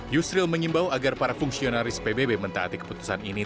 yusril menyimbau agar para fungsionaris pbb mentaati keputusan ini